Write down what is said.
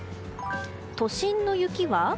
都心の雪は？